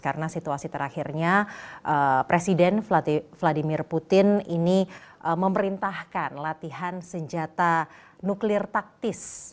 karena situasi terakhirnya presiden vladimir putin ini memerintahkan latihan senjata nuklir taktis